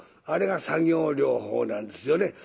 あれが作業療法なんですよね。